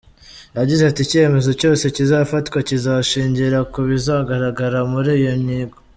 Yagize ati “Icyemezo cyose kizafatwa kizashingira ku bizagaragara muri iyo nyigo.